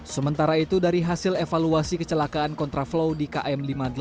sementara itu dari hasil evaluasi kecelakaan kontraflow di km lima puluh delapan